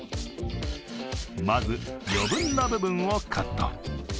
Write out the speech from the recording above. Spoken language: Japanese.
まず、余分な部分をカット。